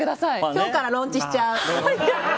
今日からローンチしちゃう！